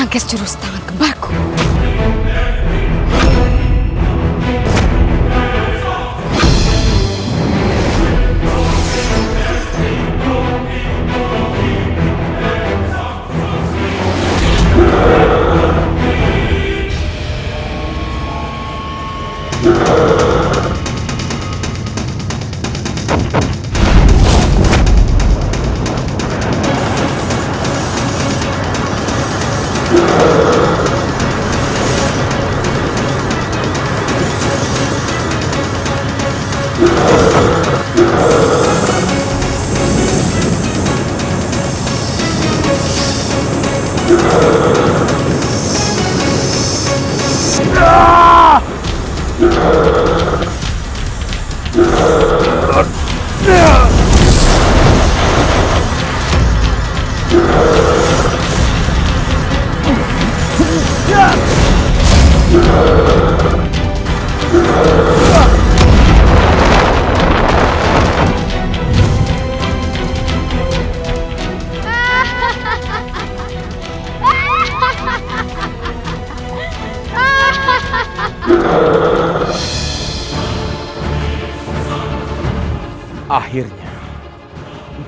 kalau kalian masih sayang dengan nyawa kalian